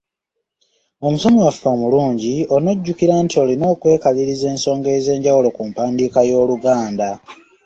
"Omusomi waffe omulungi, on'ojjukira nti olina okwekaliriza ensonga ez’enjawulo ku mpandiika y’Oluganda."